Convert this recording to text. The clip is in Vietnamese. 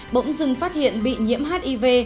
bỗng dưng phát hiện bị nhiễm hiv